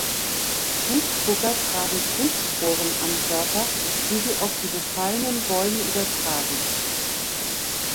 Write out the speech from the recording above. Buchdrucker tragen Pilzsporen am Körper, die sie auf die befallenen Bäume übertragen.